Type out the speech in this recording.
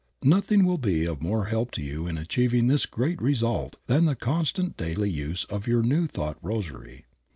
Nothing will be of more help to you in achieving this great result than the constant daily use of your New Thought rosary.